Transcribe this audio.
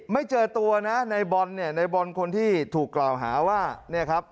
ไม่เจอตัวนะในบอลเนี่ยในบอลคนที่ถูกกล่าวหาว่าเนี่ยครับ